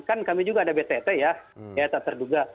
kan kami juga ada btt ya tak terduga